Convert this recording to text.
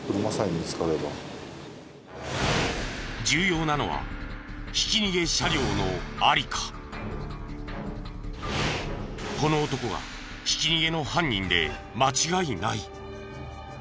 重要なのはこの男がひき逃げの犯人で間違いない。